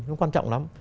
nó quan trọng lắm